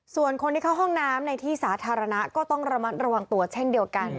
ส่วนคนที่เข้าห้องน้ำในที่สาธารณะก็ต้องระมัดระวังตัวเช่นเดียวกัน